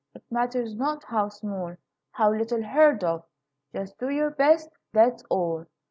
It matters not how small, How little heard of; Just do your best that's all.